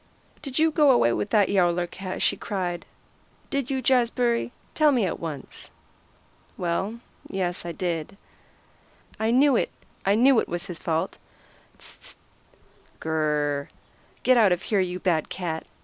"Did you go away with that Yowler cat?" she cried. "Did you, Jazbury? Tell me at once." "Well, yes, I did." "I knew it! It's all his fault. S s st! Gr r r r! Get out of here, you bad cat!"